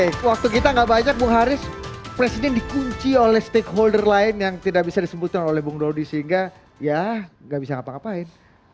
baik waktu kita gak banyak bung haris presiden dikunci oleh stakeholder lain yang tidak bisa disebutkan oleh bung dodi sehingga ya nggak bisa ngapa ngapain